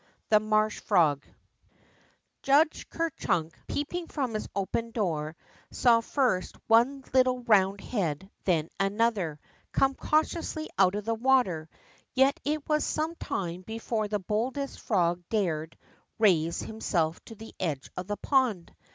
THE MARSH FROG J UDGE KER CHUUK, peeping from his open door, saw first one little round head then an other come cautiously out of the water, yet it was some time before the boldest frog dared raise himself to the edge of the pond.